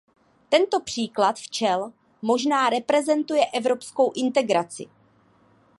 Tento příklad včel možná reprezentuje evropskou integraci.